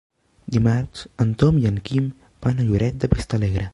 Dimarts en Tom i en Quim van a Lloret de Vistalegre.